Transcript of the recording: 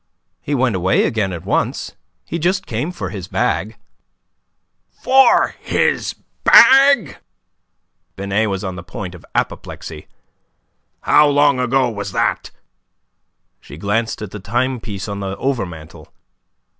"He went away again at once. He just came for his bag." "For his bag!" Binet was on the point of an apoplexy. "How long ago was that?" She glanced at the timepiece on the overmantel.